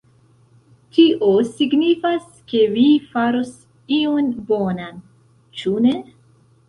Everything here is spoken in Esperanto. Tio signifas ke vi faros ion bonan, ĉu ne?